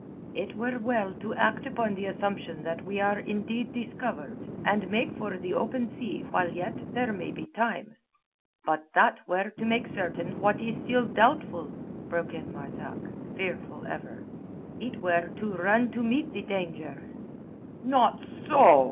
"It were well to act upon the assumption that we are indeed discovered, and make for the open sea while yet there may be time." "But that were to make certain what is still doubtful," broke in Marzak, fearful ever. "It were to run to meet the danger." "Not so!"